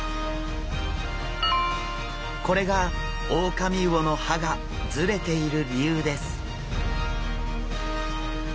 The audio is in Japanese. これがオオカミウオの歯がズレている理由です。